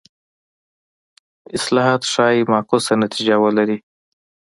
اصلاحات ښايي معکوسه نتیجه ولري.